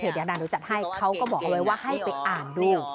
เพจเดี๋ยวนานดูจัดให้เขาก็บอกเลยว่าให้ไปอ่านดู